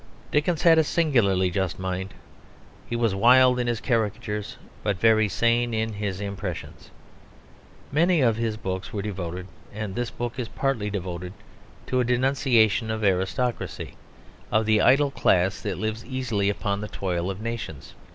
Dickens had a singularly just mind. He was wild in his caricatures, but very sane in his impressions. Many of his books were devoted, and this book is partly devoted, to a denunciation of aristocracy of the idle class that lives easily upon the toil of nations.